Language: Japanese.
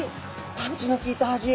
パンチの効いた味。